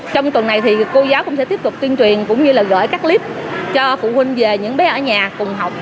trong tuần này thì cô giáo cũng sẽ tiếp tục tuyên truyền cũng như là gửi các clip cho phụ huynh về những bé ở nhà cùng học